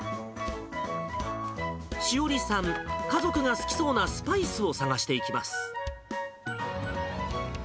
詩織さん、家族が好きそうなスパイスを探していきます。